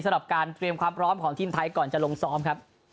สำหรับการเตรียมความพร้อมของทีมไทยก่อนจะลงซ้อมครับ